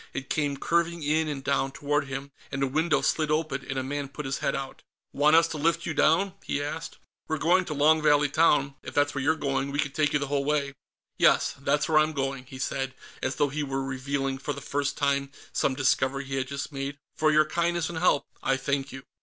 It came curving in and down toward him, and a window slid open and a man put his head out. "Want us to lift you down?" he asked. "We're going to Long Valley Town. If that's where you're going, we can take you the whole way." "Yes. That's where I'm going." He said it as though he were revealing, for the first time, some discovery he had just made. "For your kindness and help, I thank you."